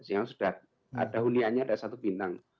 yang sudah ada hunianya ada satu bintang